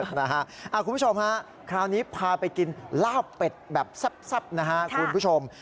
ทำได้ไหมฮะคุณผู้ชมคราวนี้พาไปกินลาบเป็ดแบบซับนะฮะคุณผู้ชม